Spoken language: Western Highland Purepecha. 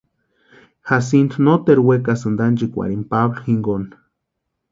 Jacintu noteru wekasïnti anchikwarhini Pablo jinkoni.